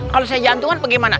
kalau saya jantungan apa gimana